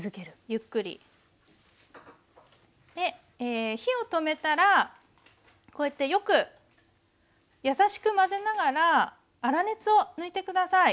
ゆっくりで火を止めたらこうやってよく優しく混ぜながら粗熱を抜いて下さい。